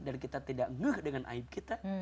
dan kita tidak ngeh dengan aib kita